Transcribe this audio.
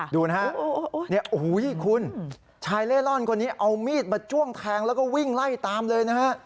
ดูนะฮะคุณชายเล่ร่อนคนนี้เอามีดมาจ้วงแทงแล้วก็วิ่งไล่ตามเลยนะฮะ